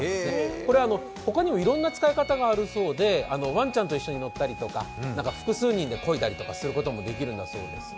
これはほかにもいろんな使い方があるそうでワンちゃんと一緒に乗ったり、複数人でこいだりすることもできるそうです。